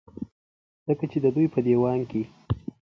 ځکه چې د دوي پۀ ديوان کې